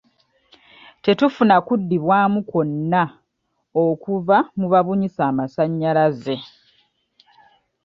Tetufuna kuddibwamu kwonna okuva nu babunyisa amasannyalaze.